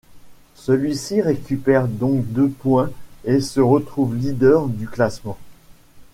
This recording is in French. Celui-ci récupère donc deux points et se retrouve leader du classement.